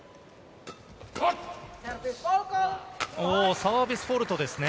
サービスフォルトですね。